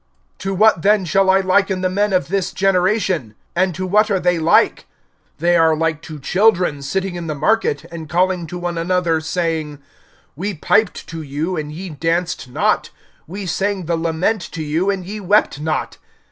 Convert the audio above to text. (31)To what then shall I liken the men of this generation? And to what are they like? (32)They are like to children sitting in the market, and calling to one another, saying: We piped to you, and ye danced not; we sang the lament to you, and ye wept not.